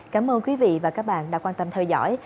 cảm ơn quý vị và các bạn đã quan tâm theo dõi